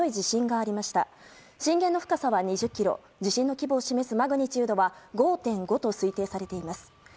震源の深さは２０ｋｍ地震の規模を示すマグニチュードは５．５と推定されています。